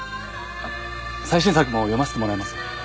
最新作も読ませてもらいます。